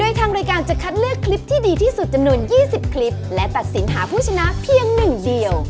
โดยทางรายการจะคัดเลือกคลิปที่ดีที่สุดจำนวน๒๐คลิปและตัดสินหาผู้ชนะเพียงหนึ่งเดียว